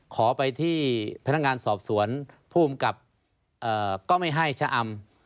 ขอไปที่พนักงานสอบสวนภูมิกับก็ไม่ให้ชะอำ